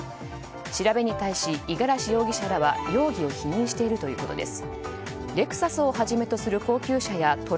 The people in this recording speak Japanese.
調べに対し五十嵐容疑者らは容疑を否認しているということです。